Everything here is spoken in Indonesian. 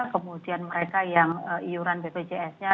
kemudian mereka yang iuran bpjs nya